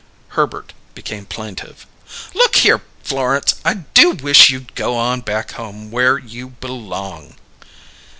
Herbert became plaintive. "Look here, Florence; I do wish you'd go on back home where you belong."